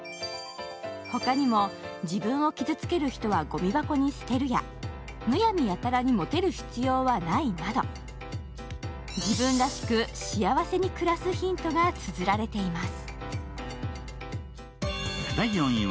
ほかにも自分を築ける人はごみ箱に捨てるやむやみやたらにモテる必要はないなど、自分らしく幸せに暮らすヒントがつづられていす。